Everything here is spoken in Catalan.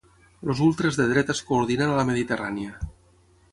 Els ultres de dreta es coordinen a la Mediterrània